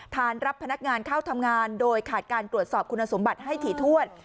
รับพนักงานเข้าทำงานโดยขาดการตรวจสอบคุณสมบัติให้ถี่ถ้วน